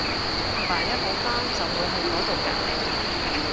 阿爸一好翻就會去嗰到隔離